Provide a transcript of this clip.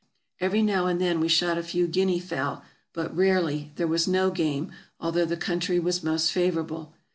Every now and then we shot a kw guinea fowl, but rarely; there was no game, although the country was most favorable.